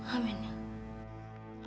amin ya allah